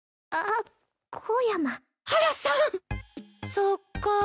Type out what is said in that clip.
そっか。